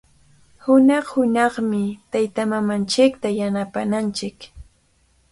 Hunaq-hunaqmi taytamamanchikta yanapananchik.